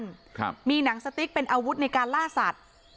ครับมีหนังสติ๊กเป็นอาวุธในการล่าสัตว์